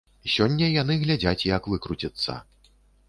Сёння яны глядзяць, як выкруціцца.